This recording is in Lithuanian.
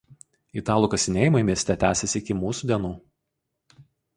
Italų kasinėjimai mieste tęsiasi iki mūsų dienų.